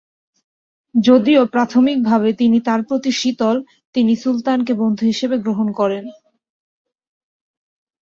যদিও প্রাথমিকভাবে তিনি তার প্রতি শীতল, তিনি সুলতানকে বন্ধু হিসাবে গ্রহণ করেন।